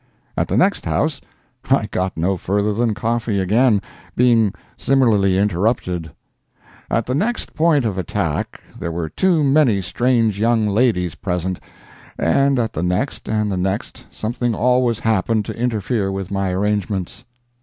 At the next house I got no further than coffee again, being similarly interrupted; at the next point of attack there were too many strange young ladies present, and at the next and the next, something always happened to interfere with my arrangements.